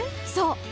そう！